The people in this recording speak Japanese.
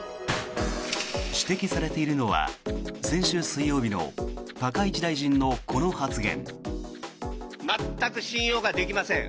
指摘されているのは先週水曜日の高市大臣のこの発言。